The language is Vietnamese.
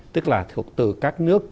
tức là thuộc từ các nước